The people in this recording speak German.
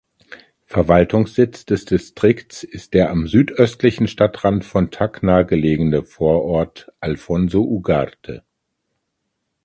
Verwaltungssitz des Distrikts ist der am südöstlichen Stadtrand von Tacna gelegene Vorort Alfonso Ugarte.